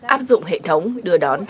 áp dụng hệ thống đưa đón trẻ em